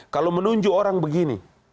kalau menunjuk orang begini